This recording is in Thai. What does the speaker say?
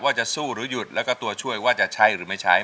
ว่าจะสู้หรือหยุดแล้วก็ตัวช่วยว่าจะใช้หรือไม่ใช้